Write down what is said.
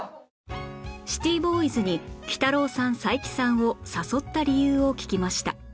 シティボーイズにきたろうさん斉木さんを誘った理由を聞きました